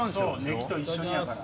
ネギと一緒にやから。